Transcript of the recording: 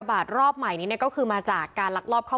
สถานบัตรรอบใหม่นี้นะก็คือมาจากการลักลอบเข้า